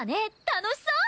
楽しそう！